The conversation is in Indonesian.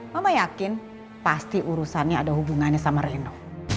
mama yakin pasti urusannya ada hubungannya sama reno